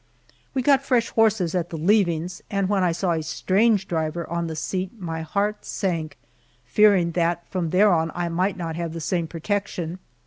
We got fresh horses at The Leavings, and when I saw a strange driver on the seat my heart sank, fearing that from there on I might not have the same protection.